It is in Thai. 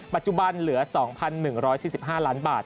ปัจจุบันเหลือ๒๑๔๕ล้านบาท